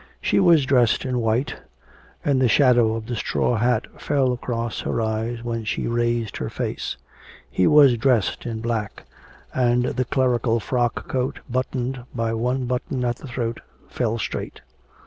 She was dressed in white, and the shadow of the straw hat fell across her eyes when she raised her face. He was dressed in black, and the clerical frock coat, buttoned by one button at the throat, fell straight.